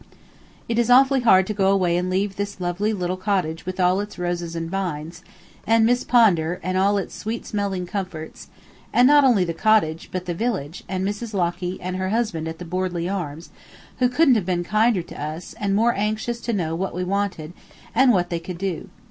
It is awfully hard to go away and leave this lovely little cottage with its roses and vines, and Miss Pondar, and all its sweet smelling comforts; and not only the cottage, but the village, and Mrs. Locky and her husband at the Bordley Arms, who couldn't have been kinder to us and more anxious to know what we wanted and what they could do.